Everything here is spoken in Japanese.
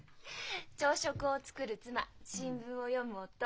朝食を作る妻新聞を読む夫。